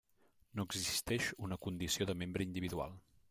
No existeix una condició de membre individual.